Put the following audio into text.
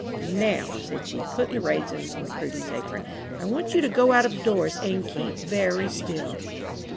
"Now," said she, putting the raisins in Prudy's apron, "I want you to go out of doors and keep very still."